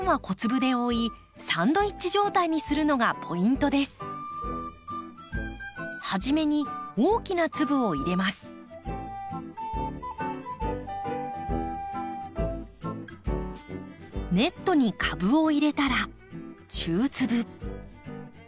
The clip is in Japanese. ネットに株を入れたら中粒。